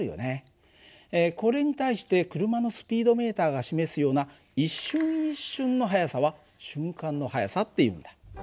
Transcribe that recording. これに対して車のスピードメーターが示すような一瞬一瞬の速さは瞬間の速さっていうんだ。